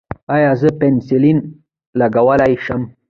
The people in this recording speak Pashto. ایا زه پنسلین لګولی شم؟